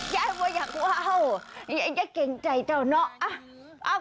ยายว่าอยากว้าวยายเก่งใจเจ้าเนาะ